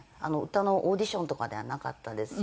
歌のオーディションとかではなかったですし。